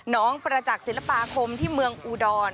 น้องประจักษ์ศิลปาคมที่เมืองอุดร